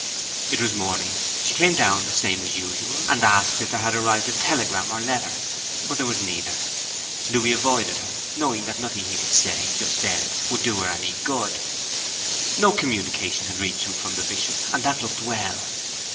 It was morning. She came down the same as usual, and asked if there had arrived any telegram or letter; but there was neither. Louis avoided her, knowing that nothing he could say just then would do her any good. No communication had reached him from the Bishop, and that looked well.